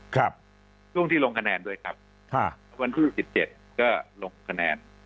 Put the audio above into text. ช่วงที่ลงคะแนนด้วยครับค่ะวันที่สิบเจ็ดก็ลงคะแนน